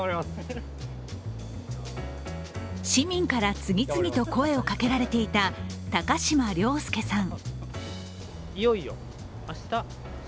市民から次々と声をかけられていた高島崚輔さん。